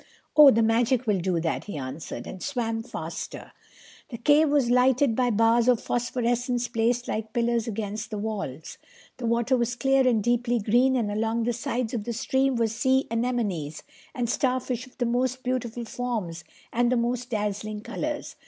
"Oh, the magic will do that," he answered, and swam faster. The cave was lighted by bars of phosphorescence placed like pillars against the walls. The water was clear and deeply green and along the sides of the stream were sea anemones and starfish of the most beautiful forms and the most dazzling colors.